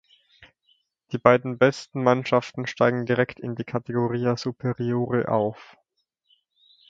Die beiden besten Mannschaften steigen direkt in die Kategoria Superiore auf.